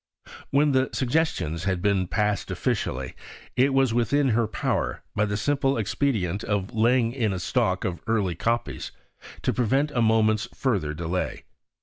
When once the "Suggestions" had been passed officially, it was within her power, by the simple expedient of laying in a stock of early copies, to prevent a moment's further delay.